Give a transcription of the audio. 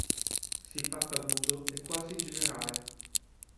Siffatto abuso è quasi generale.